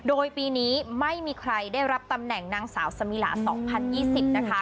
โดยปีนี้ไม่มีใครได้รับตำแหน่งนางสาวสมีหลาสองพันยี่สิบนะคะ